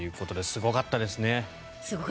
すごかったですね。